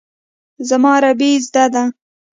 زما عربي زده ده.